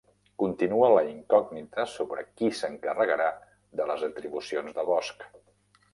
Continua la incògnita sobre qui s'encarregarà de les atribucions de Bosch